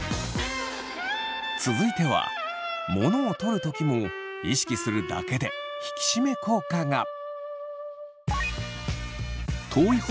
続いては物を取る時も意識するだけで引き締め効果が。